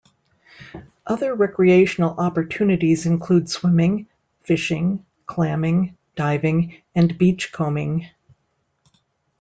Other recreational opportunities include swimming, fishing, clamming, diving, and beachcombing.